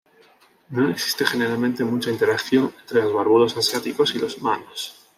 No existe generalmente mucha interacción entre los barbudos asiáticos y los humanos.